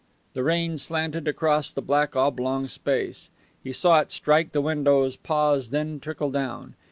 The rain slanted across the black oblong space. He saw it strike the windows, pause, then trickle down.